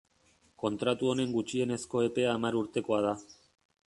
Kontratu honen gutxienezko epea hamar urtekoa da.